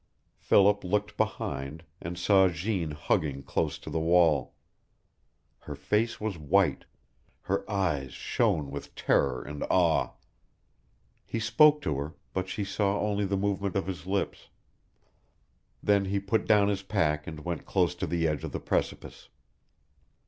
Philip looked behind, and saw Jeanne hugging close to the wall. Her face was white, her eyes shone with terror and awe. He spoke to her, but she saw only the movement of his lips. Then he put down his pack and went close to the edge of the precipice.